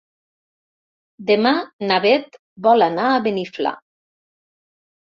Demà na Bet vol anar a Beniflà.